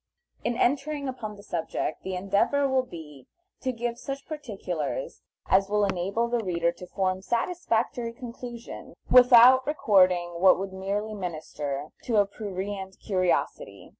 In entering upon the subject, the endeavor will be to give such particulars as will enable the reader to form satisfactory conclusions, without recording what would merely minister to a prurient curiosity.